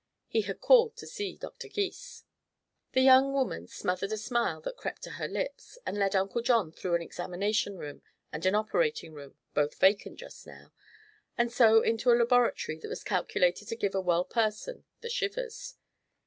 He had called to see Dr. Gys. The young woman smothered a smile that crept to her lips, and led Uncle John through an examination room and an operating room both vacant just now and so into a laboratory that was calculated to give a well person the shivers.